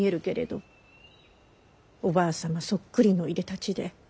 おばあ様そっくりのいでたちで。